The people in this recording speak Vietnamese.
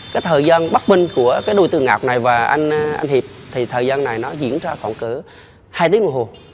cái thời gian bắt binh của cái đối tượng ngọc này và anh hiệp thì thời gian này nó diễn ra khoảng cỡ hai tiếng mùa hồ